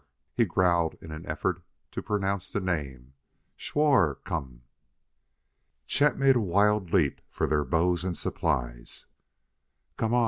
he growled in an effort to pronounce the name; "Szhwarr come!" Chet made a wild leap for their bows and supplies. "Come on!"